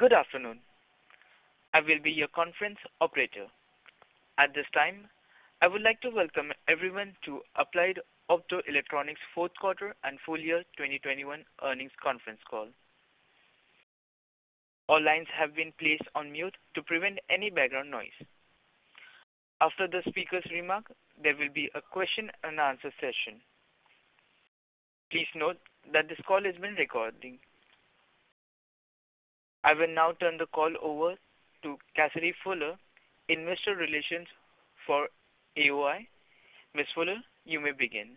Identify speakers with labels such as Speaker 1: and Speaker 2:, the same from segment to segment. Speaker 1: Good afternoon. I will be your conference operator. At this time, I would like to welcome everyone to Applied Optoelectronics Q4 and full year 2021 earnings conference call. All lines have been placed on mute to prevent any background noise. After the speaker's remark, there will be a question and answer session. Please note that this call is being recorded. I will now turn the call over to Cassidy Fuller, investor relations for AOI. Ms. Fuller, you may begin.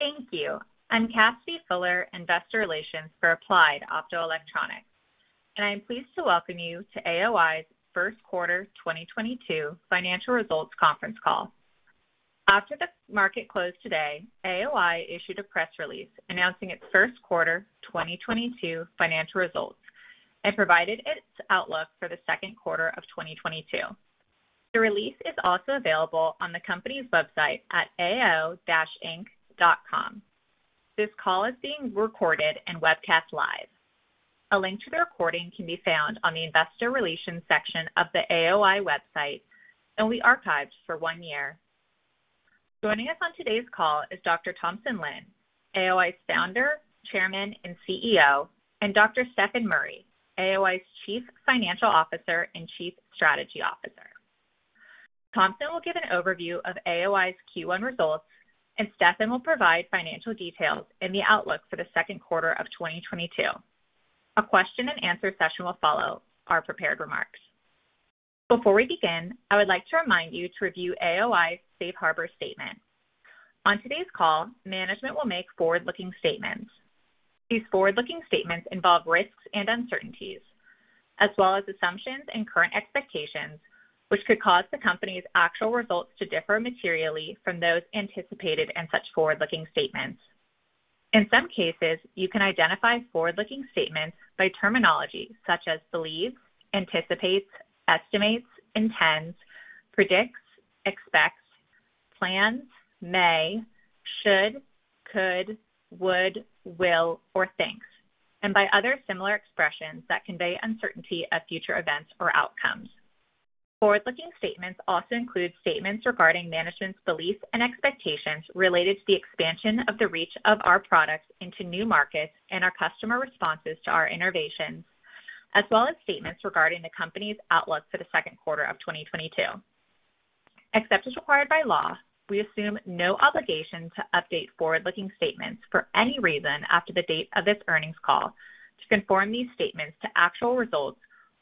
Speaker 2: Thank you. I'm Cassidy Fuller, Investor Relations for Applied Optoelectronics, and I am pleased to welcome you to AOI's Q1 2022 financial results conference call. After the market closed today, AOI issued a press release announcing its Q1 2022 financial results, and provided its outlook for the Q2 of 2022. The release is also available on the company's website at ao-inc.com. This call is being recorded and webcast live. A link to the recording can be found on the investor relations section of the AOI website, and will be archived for one year. Joining us on today's call is Dr. Thompson Lin, AOI's Founder, Chairman, and CEO, and Dr. Stefan Murry, AOI's Chief Financial Officer and Chief Strategy Officer. Thompson will give an overview of AOI's Q1 results, and Stephen will provide financial details in the outlook for the Q1 of 2022. A question and answer session will follow our prepared remarks. Before we begin, I would like to remind you to review AOI's Safe Harbor statement. On today's call, management will make forward-looking statements. These forward-looking statements involve risks and uncertainties, as well as assumptions and current expectations, which could cause the company's actual results to differ materially from those anticipated in such forward-looking statements. In some cases, you can identify forward-looking statements by terminology such as believe, anticipates, estimates, intends, predicts, expects, plans, may, should, could, would, will, or thinks, and by other similar expressions that convey uncertainty of future events or outcomes. Forward-looking statements also include statements regarding management's beliefs and expectations related to the expansion of the reach of our products into new markets and our customer responses to our innovations, as well as statements regarding the company's outlook for the Q2 of 2022. Except as required by law, we assume no obligation to update forward-looking statements for any reason after the date of this earnings call to conform these statements to actual results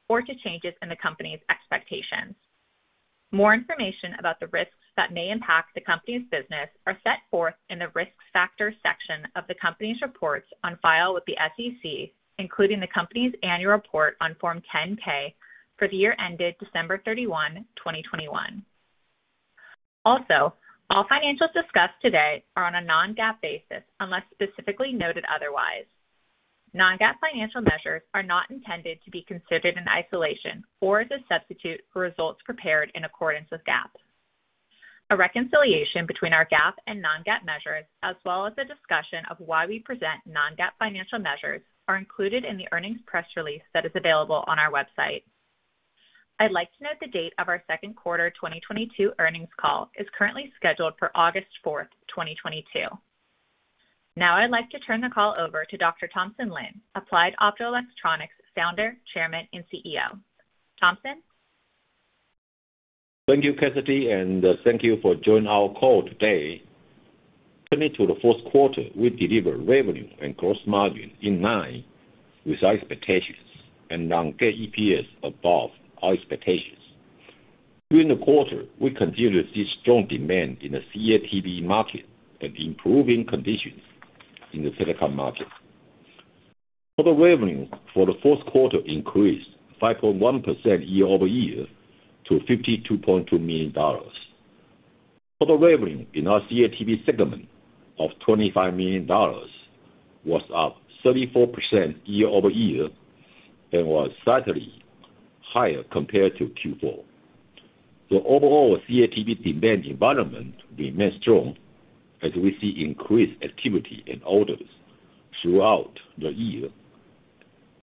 Speaker 2: or to changes in the company's expectations. More information about the risks that may impact the company's business are set forth in the Risk Factors section of the company's reports on file with the SEC, including the company's annual report on Form 10-K for the year ended December 31, 2021. Also, all financials discussed today are on a non-GAAP basis, unless specifically noted otherwise. Non-GAAP financial measures are not intended to be considered in isolation or as a substitute for results prepared in accordance with GAAP. A reconciliation between our GAAP and non-GAAP measures, as well as a discussion of why we present non-GAAP financial measures, are included in the earnings press release that is available on our website. I'd like to note the date of our Q2 2022 earnings call is currently scheduled for August 4, 2022. Now I'd like to turn the call over to Dr. Thompson Lin, Applied Optoelectronics founder, chairman, and CEO. Thompson?
Speaker 3: Thank you, Cassidy, and thank you for joining our call today. Turning to the Q4, we delivered revenue and gross margin in line with our expectations and non-GAAP EPS above our expectations. During the quarter, we continued to see strong demand in the CATV market and improving conditions in the telecom market. Total revenue for the Q4 increased 5.1% year-over-year to $52.2 million. Total revenue in our CATV segment of $25 million was up 34% year-over-year and was slightly higher compared to Q4. The overall CATV demand environment remains strong as we see increased activity in orders throughout the year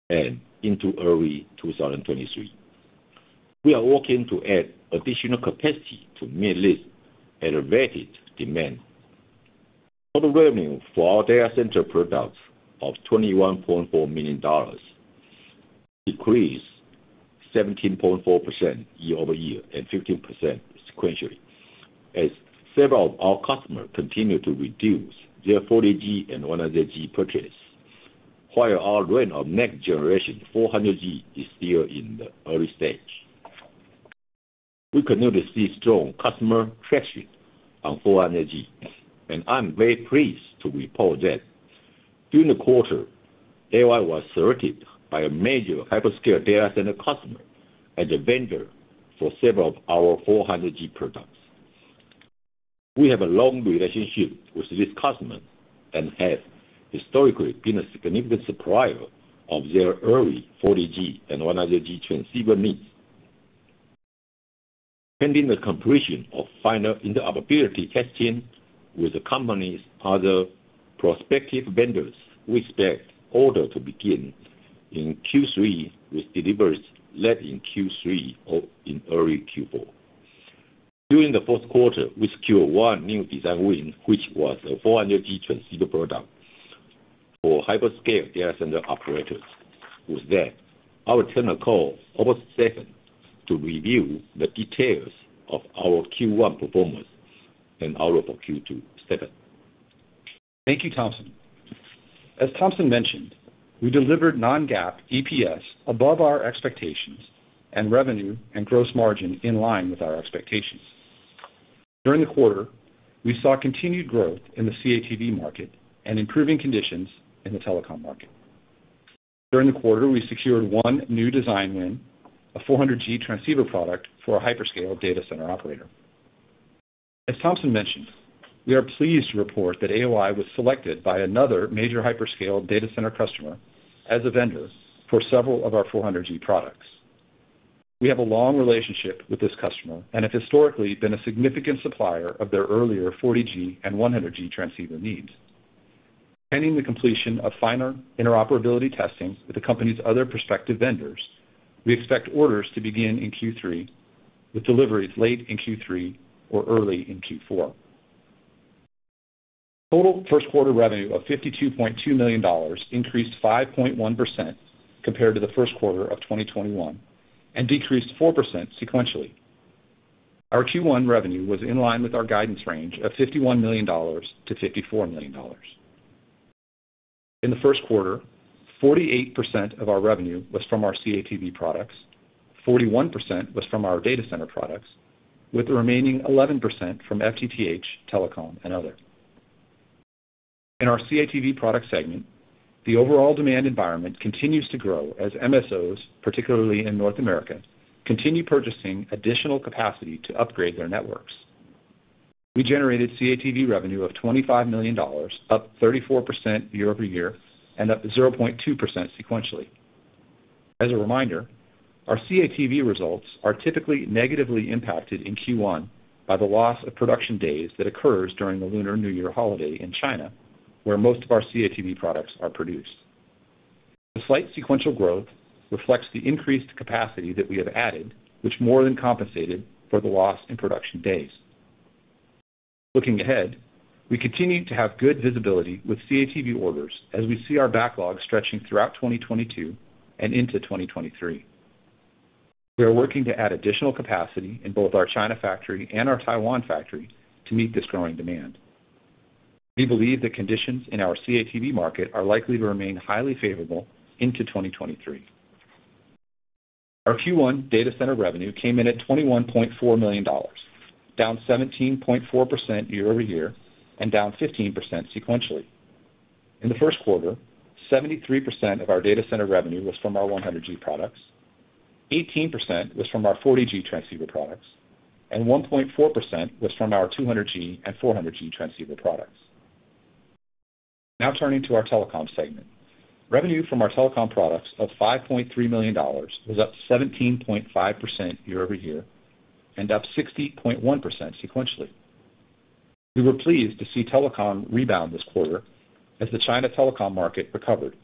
Speaker 3: and into early 2023. We are working to add additional capacity to meet this elevated demand. Total revenue for our data center products of $21.4 million decreased 17.4% year-over-year and 15% sequentially as several of our customers continued to reduce their 400G and 100G purchases, while our ramp of next generation 400G is still in the early stage. We continue to see strong customer traction on 400G, and I'm very pleased to report that during the quarter, AOI was selected by a major hyperscale data center customer as a vendor for several of our 400G products. We have a long relationship with this customer and have historically been a significant supplier of their early 40G and 100G transceiver needs. Pending the completion of final interoperability testing with the company's other prospective vendors, we expect orders to begin in Q3, with deliveries late in Q3 or in early Q4. During the Q4, we secured one new design win, which was a 400G transceiver product for hyperscale data center operators. With that, I will turn the call over to Stefan to review the details of our Q1 performance and outlook for Q2. Stefan?
Speaker 4: Thank you, Thompson. As Thompson mentioned, we delivered non-GAAP EPS above our expectations, and revenue and gross margin in line with our expectations. During the quarter, we saw continued growth in the CATV market and improving conditions in the telecom market. During the quarter, we secured one new design win, a 400G transceiver product for a hyperscale data center operator. As Thompson mentioned, we are pleased to report that AOI was selected by another major hyperscale data center customer as a vendor for several of our 400G products. We have a long relationship with this customer and have historically been a significant supplier of their earlier 40G and 100G transceiver needs. Pending the completion of fin interoperability testing with the company's other prospective vendors, we expect orders to begin in Q3, with deliveries late in Q3 or early in Q4. Total Q1 revenue of $52.2 million increased 5.1% compared to the Q1 of 2021, and decreased 4% sequentially. Our Q1 revenue was in line with our guidance range of $51 million-$54 million. In the Q1, 48% of our revenue was from our CATV products, 41% was from our data center products, with the remaining 11% from FTTH, telecom, and others. In our CATV product segment, the overall demand environment continues to grow as MSOs, particularly in North America, continue purchasing additional capacity to upgrade their networks. We generated CATV revenue of $25 million, up 34% year-over-year and up 0.2% sequentially. As a reminder, our CATV results are typically negatively impacted in Q1 by the loss of production days that occurs during the Lunar New Year holiday in China, where most of our CATV products are produced. The slight sequential growth reflects the increased capacity that we have added, which more than compensated for the loss in production days. Looking ahead, we continue to have good visibility with CATV orders as we see our backlog stretching throughout 2022 and into 2023. We are working to add additional capacity in both our China factory and our Taiwan factory to meet this growing demand. We believe the conditions in our CATV market are likely to remain highly favorable into 2023. Our Q1 data center revenue came in at $21.4 million, down 17.4% year-over-year, and down 15% sequentially. In the Q1, 73% of our data center revenue was from our 100G products, 18% was from our 40G transceiver products, and 1.4% was from our 200G and 400G transceiver products. Now turning to our telecom segment. Revenue from our telecom products of $5.3 million was up 17.5% year-over-year and up 60.1% sequentially. We were pleased to see telecom rebound this quarter as the China telecom market recovered.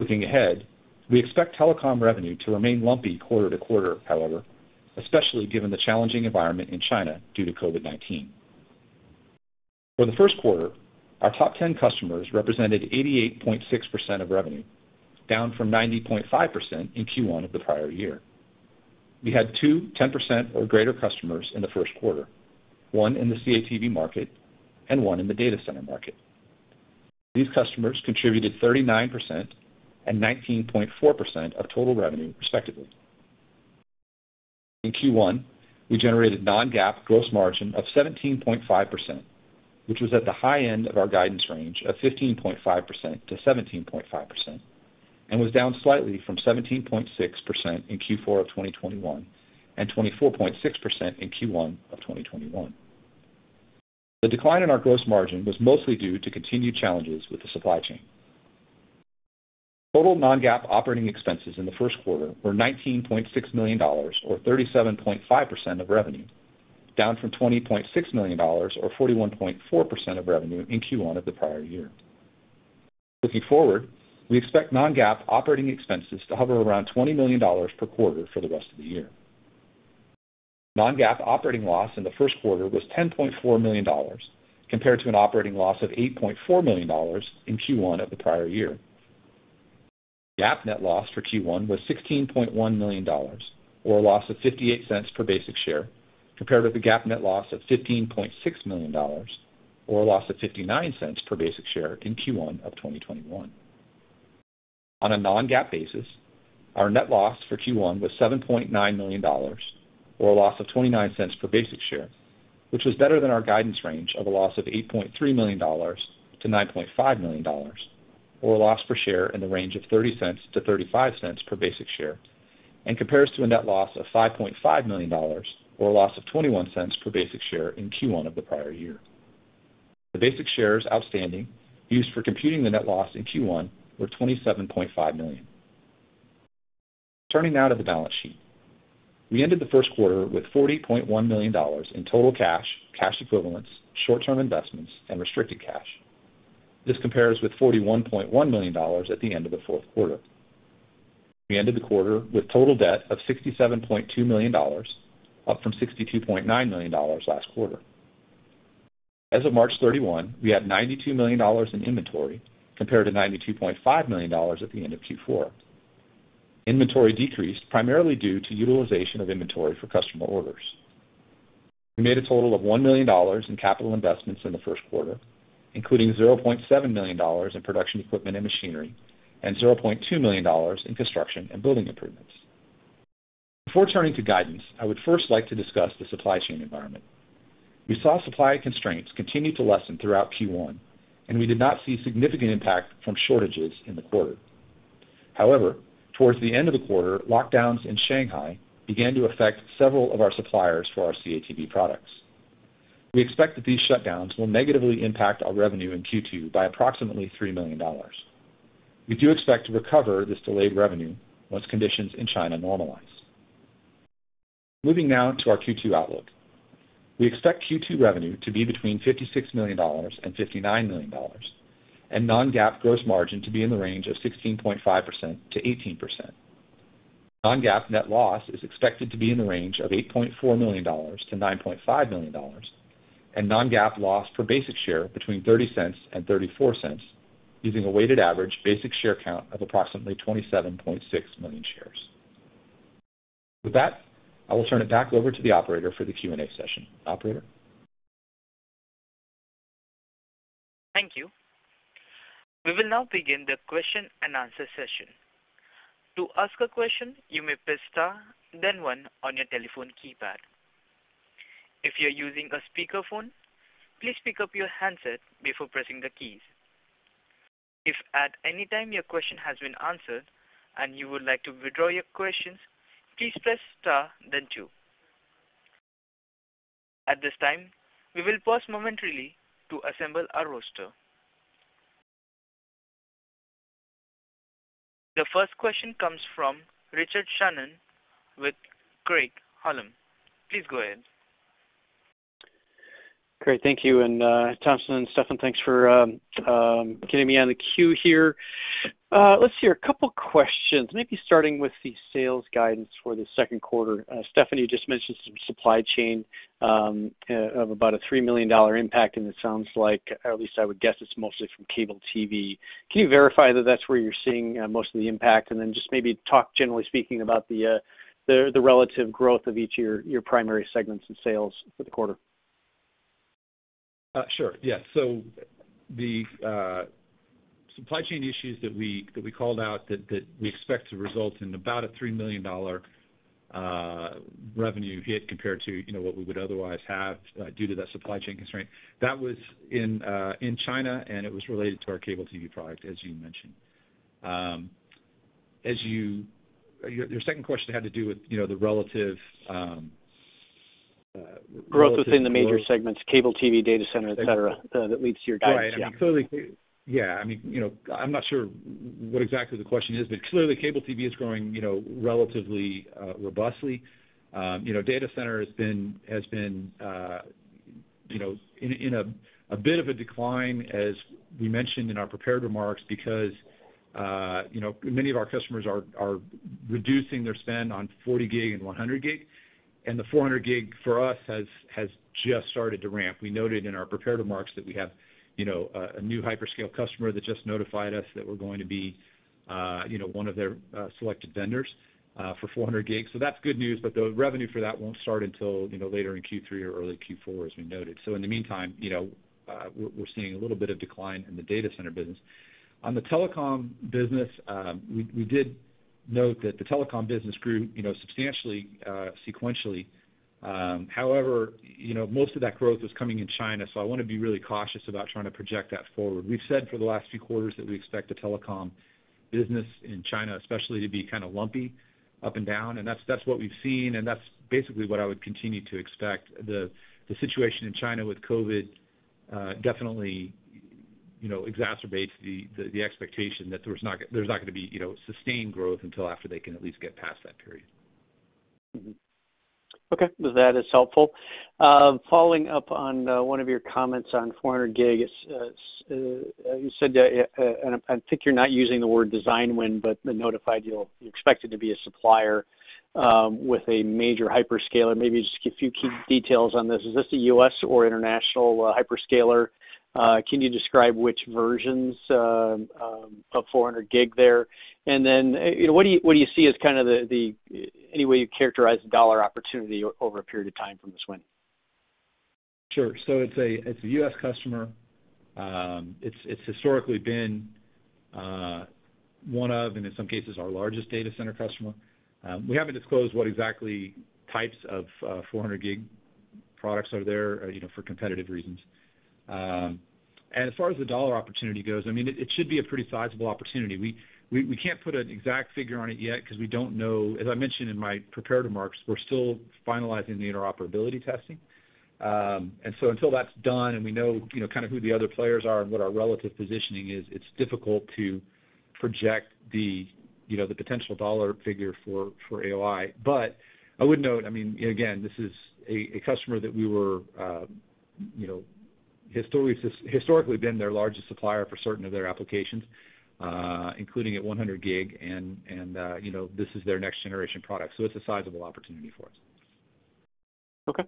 Speaker 4: Looking ahead, we expect telecom revenue to remain lumpy quarter-to-quarter, however, especially given the challenging environment in China due to COVID-19. For the Q1, our top 10 customers represented 88.6% of revenue, down from 90.5% in Q1 of the prior year. We had two 10% or greater customers in the Q1, one in the CATV market and one in the data center market. These customers contributed 39% and 19.4% of total revenue, respectively. In Q1, we generated non-GAAP gross margin of 17.5%, which was at the high end of our guidance range of 15.5%-17.5% and was down slightly from 17.6% in Q4 of 2021 and 24.6% in Q1 of 2021. The decline in our gross margin was mostly due to continued challenges with the supply chain. Total non-GAAP operating expenses in the Q1 were $19.6 million or 37.5% of revenue, down from $20.6 million or 41.4% of revenue in Q1 of the prior year. Looking forward, we expect non-GAAP operating expenses to hover around $20 million per quarter for the rest of the year. Non-GAAP operating loss in the Q1 was $10.4 million, compared to an operating loss of $8.4 million in Q1 of the prior year. GAAP net loss for Q1 was $16.1 million or a loss of $0.58 per basic share, compared with the GAAP net loss of $15.6 million or a loss of $0.59 per basic share in Q1 of 2021. On a non-GAAP basis, our net loss for Q1 was $7.9 million or a loss of $0.29 per basic share, which was better than our guidance range of a loss of $8.3 million-$9.5 million, or a loss per share in the range of $0.30-$0.35 per basic share, and compares to a net loss of $5.5 million or a loss of $0.21 per basic share in Q1 of the prior year. The basic shares outstanding used for computing the net loss in Q1 were 27.5 million. Turning now to the balance sheet. We ended the Q1 with $40.1 million in total cash equivalents, short-term investments and restricted cash. This compares with $41.1 million at the end of the Q4. We ended the quarter with total debt of $67.2 million, up from $62.9 million last quarter. As of March 31, we had $92 million in inventory compared to $92.5 million at the end of Q4. Inventory decreased primarily due to utilization of inventory for customer orders. We made a total of $1 million in capital investments in the Q1, including $0.7 million in production equipment and machinery and $0.2 million in construction and building improvements. Before turning to guidance, I would first like to discuss the supply chain environment. We saw supply constraints continue to lessen throughout Q1, and we did not see significant impact from shortages in the quarter. However, towards the end of the quarter, lockdowns in Shanghai began to affect several of our suppliers for our CATV products. We expect that these shutdowns will negatively impact our revenue in Q2 by approximately $3 million. We do expect to recover this delayed revenue once conditions in China normalize. Moving now to our Q2 outlook. We expect Q2 revenue to be between $56 million and $59 million, and non-GAAP gross margin to be in the range of 16.5%-18%. Non-GAAP net loss is expected to be in the range of $8.4 million to $9.5 million, and non-GAAP loss per basic share between $0.30 and $0.34, using a weighted average basic share count of approximately 27.6 million shares. With that, I will turn it back over to the operator for the Q&A session. Operator?
Speaker 1: Thank you. We will now begin the question-and-answer session. To ask a question, you may press Star-Then One on your telephone keypad. If you're using a speakerphone, please pick up your handset before pressing the keys. If at any time your question has been answered and you would like to withdraw your questions, please press Star then Two. At this time, we will pause momentarily to assemble our roster. The first question comes from Richard Shannon with Craig-Hallum. Please go ahead.
Speaker 5: Great. Thank you. Thompson and Stefan, thanks for getting me on the queue here. Let's hear a couple questions, maybe starting with the sales guidance for the Q2. Stefan, you just mentioned some supply chain of about a $3 million impact, and it sounds like, at least I would guess it's mostly from cable TV. Can you verify that that's where you're seeing most of the impact? Then just maybe talk generally speaking about the relative growth of each of your primary segments in sales for the quarter.
Speaker 4: Sure, yeah. The supply chain issues that we called out that we expect to result in about a $3 million revenue hit compared to what we would otherwise have due to that supply chain constraint that was in China, and it was related to our cable TV product, as you mentioned. Your second question had to do with the relative
Speaker 5: Growth within the major segments, cable TV, data center, et cetera, that leads to your guidance. Yeah.
Speaker 4: Right. I mean, clearly. Yeah. I mean I'm not sure what exactly the question is, but clearly cable TV is growing relatively robustly. data center has been in a bit of a decline, as we mentioned in our prepared remarks because many of our customers are reducing their spend on 40G and 100G, and the 400G for us has just started to ramp. We noted in our prepared remarks that we have a new hyperscale customer that just notified us that we're going to be one of their selected vendors for 400G. That's good news, but the revenue for that won't start until later in Q3 or early Q4, as we noted. In the meantime we're seeing a little bit of decline in the data center business. On the telecom business, we did note that the telecom business grew substantially, sequentially. However most of that growth was coming in China, so I wanna be really cautious about trying to project that forward. We've said for the last few quarters that we expect the telecom business in China especially to be kinda lumpy up and down, and that's what we've seen, and that's basically what I would continue to expect. The situation in China with COVID definitely exacerbates the expectation that there's not gonna be, sustained growth until after they can at least get past that period.
Speaker 5: Mm-hmm. Okay. That is helpful. Following up on one of your comments on 400G, you said that and I think you're not using the word design win, but you're expected to be a supplier with a major hyperscaler. Maybe just a few key details on this. Is this a U.S. or international hyperscaler? Can you describe which versions of 400G there? And then what do you see as kind of any way you characterize the dollar opportunity over a period of time from this win?
Speaker 4: Sure. It's a U.S. customer. It's historically been one of, and in some cases, our largest data center customer. We haven't disclosed what exactly types of 400G products are there for competitive reasons. As far as the dollar opportunity goes, I mean, it should be a pretty sizable opportunity. We can't put an exact figure on it yet 'cause we don't know, as I mentioned in my prepared remarks, we're still finalizing the interoperability testing. Until that's done and we know kinda who the other players are and what our relative positioning is, it's difficult to project the potential dollar figure for AOI. I would note, I mean, again, this is a customer that we were historically been their largest supplier for certain of their applications, including at 100G and this is their next generation product, so it's a sizable opportunity for us.
Speaker 5: Okay.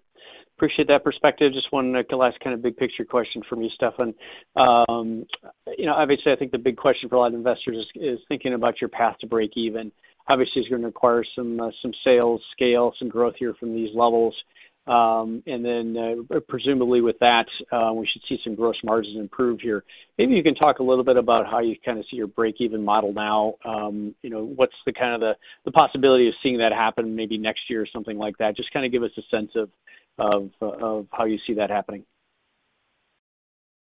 Speaker 5: Appreciate that perspective. Just one last kind of big picture question for me, Stefan. obviously, I think the big question for a lot of investors is thinking about your path to break even. Obviously, it's gonna require some sales scale, some growth here from these levels. Presumably with that, we should see some gross margins improve here. Maybe you can talk a little bit about how you kinda see your break even model now. what's the kind of possibility of seeing that happen maybe next year or something like that? Just kinda give us a sense of how you see that happening.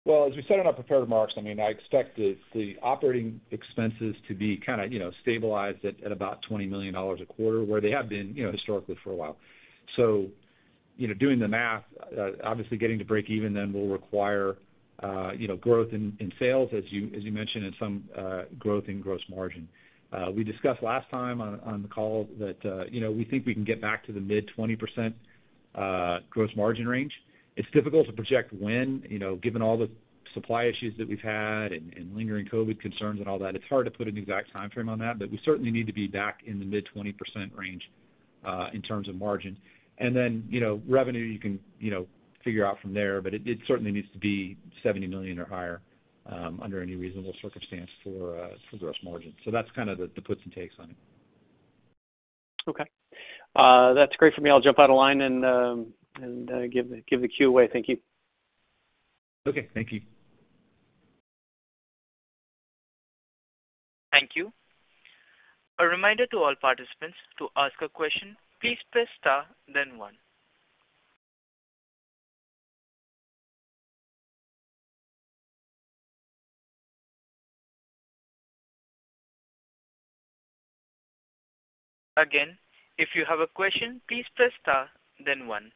Speaker 4: Well, as you said in our prepared remarks, I mean, I expect the operating expenses to be kinda, stabilized at about $20 million a quarter, where they have been historically for a while. doing the math, obviously getting to break even then will require, growth in sales, as you mentioned, and some growth in gross margin. We discussed last time on the call that we think we can get back to the mid-20% gross margin range. It's difficult to project when given all the supply issues that we've had and lingering COVID concerns and all that. It's hard to put an exact timeframe on that. But we certainly need to be back in the mid-20% range, in terms of margin. Revenue, you can figure out from there, but it certainly needs to be $70 million or higher under any reasonable circumstance for gross margin. That's kinda the puts and takes on it.
Speaker 5: Okay. That's great for me. I'll jump out of line and give the queue away. Thank you.
Speaker 4: Okay. Thank you.
Speaker 1: Thank you. A reminder to all participants, to ask a question, please press star then one. Again, if you have a question, please press star then one.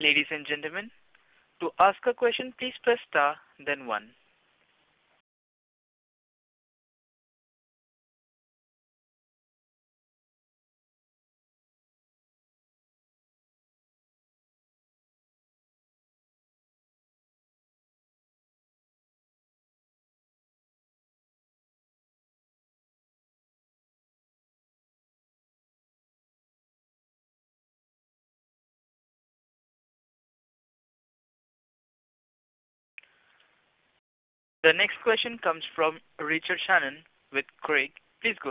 Speaker 1: Ladies and gentlemen, to ask a question, please press star then one. The next question comes from Richard Shannon with Craig-Hallum. Please go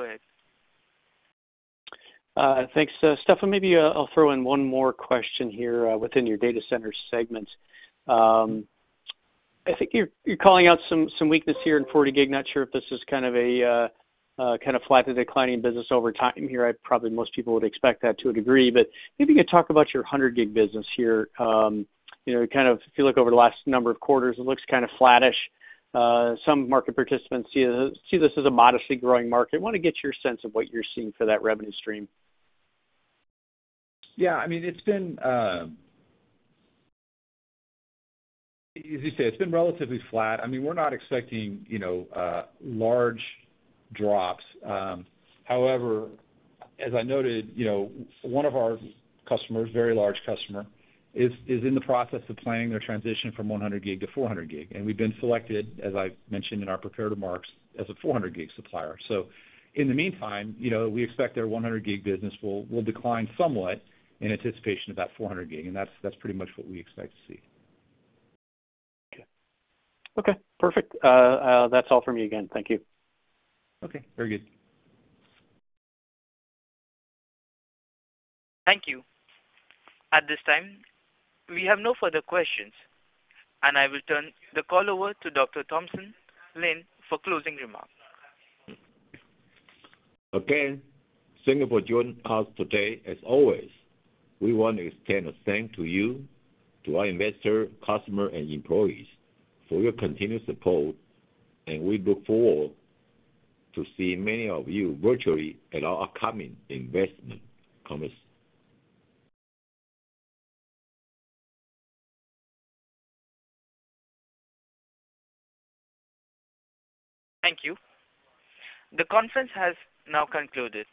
Speaker 1: ahead.
Speaker 5: Thanks, Stephen. Maybe I'll throw in one more question here within your data center segment. I think you're calling out some weakness here in 40G. Not sure if this is kind of flat to declining business over time here. I'd probably most people would expect that to a degree. Maybe you could talk about your 100G business here. kind of if you look over the last number of quarters, it looks kinda flattish. Some market participants see this as a modestly growing market. Want to get your sense of what you're seeing for that revenue stream.
Speaker 4: Yeah, I mean, it's been relatively flat. As you say, it's been relatively flat. I mean, we're not expecting large drops. However, as I noted one of our customers, very large customer, is in the process of planning their transition from 100G to 400G, and we've been selected, as I mentioned in our prepared remarks, as a 400G supplier. So in the meantime we expect their 100G business will decline somewhat in anticipation of that 400G, and that's pretty much what we expect to see.
Speaker 5: Okay. Okay, perfect. That's all for me again. Thank you.
Speaker 4: Okay, very good.
Speaker 1: Thank you. At this time, we have no further questions, and I will turn the call over to Dr. Thompson Lin for closing remarks.
Speaker 3: Again, thank you for joining us today. As always, we want to extend our thanks to you, to our investors, customers and employees for your continued support, and we look forward to see many of you virtually at our upcoming investment conference.
Speaker 1: Thank you. The conference has now concluded.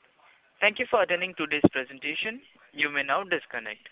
Speaker 1: Thank you for attending today's presentation. You may now disconnect.